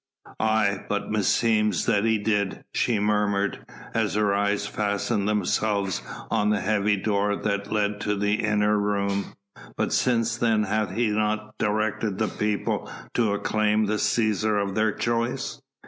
"Aye! but meseems that he did!" she murmured, as her eyes fastened themselves on the heavy door that led to the inner room, "but since then hath he not directed the people to acclaim the Cæsar of their choice?"